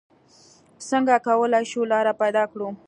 څنګه کولې شو لاره پېدا کړو؟